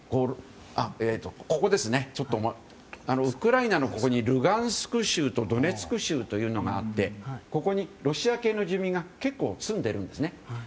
ウクライナにルガンスク州とドネツク州というのがあってここにロシア系の住民が結構住んでいるんですね。